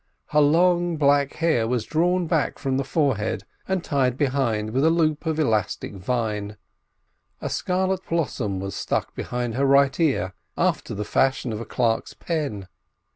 Her long black hair was drawn back from the forehead, and tied behind with a loop of the elastic vine. A scarlet blossom was stuck behind her right ear, after the fashion of a clerk's pen.